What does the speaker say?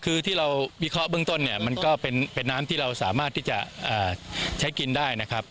คือที่เราวิเคราะห์เบื้องต้นเนี่ยมันก็เป็นน้ำที่เราสามารถที่จะใช้กินได้นะครับ